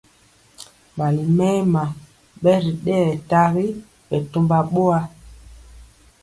Mali mɛma bɛ ri dɛyɛ tari bɛ tɔmba boa.